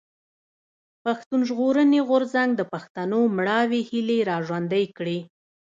پښتون ژغورني غورځنګ د پښتنو مړاوي هيلې را ژوندۍ کړې.